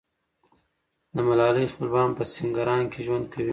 د ملالۍ خپلوان په سینګران کې ژوند کوي.